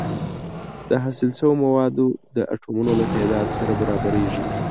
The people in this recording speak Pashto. د حاصل شوو موادو د اتومونو له تعداد سره برابریږي.